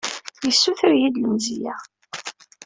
Yessuter-iyi-d lemzeyya.